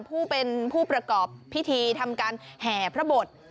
ผู้เป็นผู้ประกอบพิธีทำการแห่พระบท